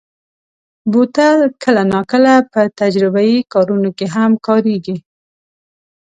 بوتل کله ناکله په تجربهيي کارونو کې هم کارېږي.